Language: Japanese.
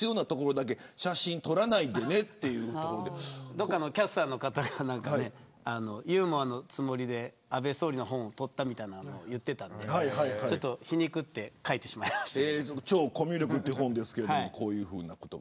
どこかのキャスターの方がユーモアのつもりで安倍総理の本を撮ったみたいに言っていたんで超コミュ力という本ですけど。